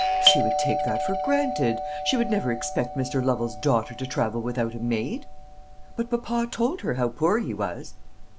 "She would take that for granted. She would never expect Mr. Lovel's daughter to travel without a maid." "But papa told her how poor he was."